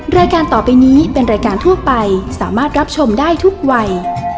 รายการต่อไปนี้เป็นรายการทั่วไปสามารถรับชมได้ทุกวัย